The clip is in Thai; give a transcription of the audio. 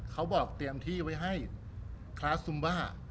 เขาบอกเตรียมที่ไว้ให้คลาสซุมบ้า